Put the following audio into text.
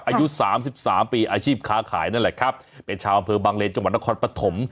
อายุสามสิบสามปีอาชีพค้าขายนั่นแหละครับเป็นชาวอำเภอบางเลนจังหวัดนครปฐม